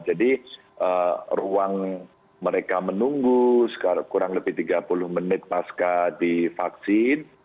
jadi ruang mereka menunggu kurang lebih tiga puluh menit pasca di vaksin